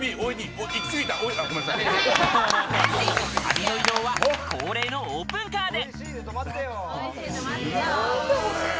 旅の移動は恒例のオープンカーで。